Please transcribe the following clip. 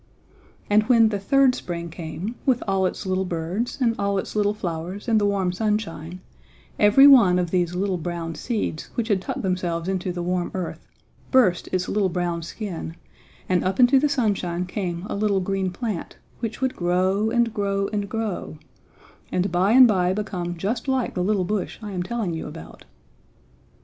And when the third spring came with all its little birds and all its little flowers and the warm sunshine, every one of these little brown seeds which had tucked themselves into the warm earth, burst its little brown skin, and up into the sunshine came a little green plant, which would grow and grow and grow, and by and by become just like the little bush I am telling you about.